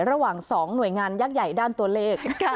ระหว่าง๒หน่วยงานยักษ์ใหญ่ด้านตัวเลข